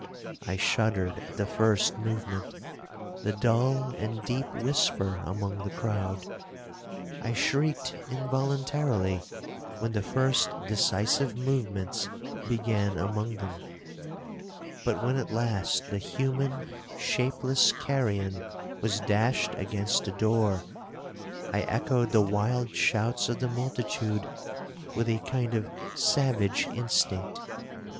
I shuddered at the first movement—the dull and deep whisper among the crowd. I shrieked involuntarily when the first decisive movements began among them; but when at last the human shapeless carrion was dashed against the door, I echoed the wild shouts of the multitude with a kind of savage instinct.